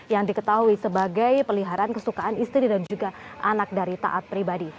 yang diketahui sebagai peliharaan kesukaan istri dan juga anak dari taat pribadi